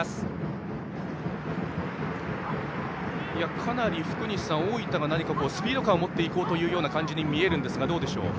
かなり福西さん大分がスピード感を持って行こうという感じに見えますがどうですか。